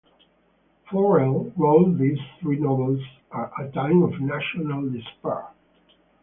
Farrell wrote these three novels at a time of national despair.